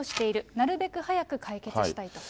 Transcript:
なるべく早く解決したいと。